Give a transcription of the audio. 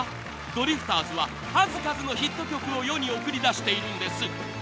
ドリフターズは数々のヒット曲を世に送り出しているんです。